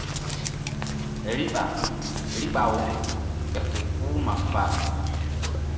Riɓa riɓa-u el ke puh ma fal.